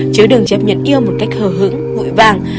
chứ đừng chép nhận yêu một cách hờ hững vụi vàng